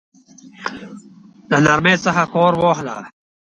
له نرمۍ څخه كار واخله!